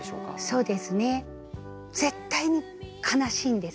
そうですね絶対に悲しいんです